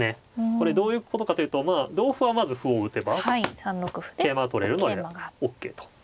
これどういうことかというと同歩はまず歩を打てば桂馬が取れるのはオッケーと。